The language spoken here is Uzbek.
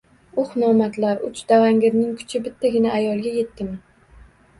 Uh nomardlar, uch davangirning kuchi bittagina ayolga yetdimi?